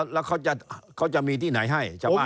แล้วเขาจะมีที่ไหนให้จังหวัด